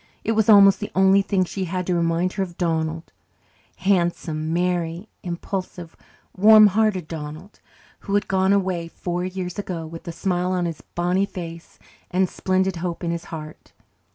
It was almost the only thing she had to remind her of Donald handsome, merry, impulsive, warmhearted Donald, who had gone away four years ago with a smile on his bonny face and splendid hope in his heart.